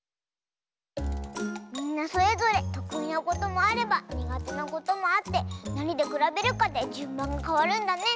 みんなそれぞれとくいなこともあればにがてなこともあってなにでくらべるかでじゅんばんがかわるんだね。